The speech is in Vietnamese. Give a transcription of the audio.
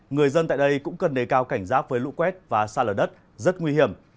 người dân tại đây cũng cần đề cao cảnh giác với lũ quét và xa lở đất rất nguy hiểm